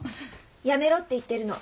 「辞めろ」って言ってるの。